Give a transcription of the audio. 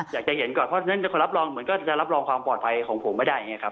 อยากจะเห็นก่อนเพราะฉะนั้นคนรับรองเหมือนก็จะรับรองความปลอดภัยของผมไม่ได้อย่างนี้ครับ